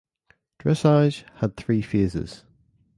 Dressage had three phases.